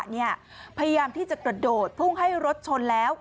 พยายามที่จะกระโดดพุ่งให้รถชนแล้ว